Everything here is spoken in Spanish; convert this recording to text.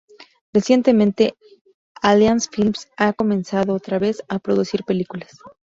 Recientemente, Alliance Films ha comenzado, otra vez, a producir películas.